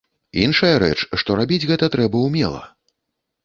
Іншая рэч, што рабіць гэта трэба ўмела.